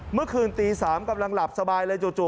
เมื่อคืนตี๓กำลังหลับสบายเลยจู่